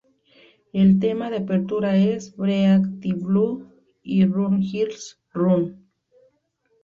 El tema de apertura es "Break the Blue" de Run Girls, Run!